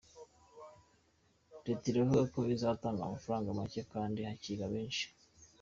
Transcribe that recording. Leta iravuga ko izatanga amafaranga make kandi hakiga benshi….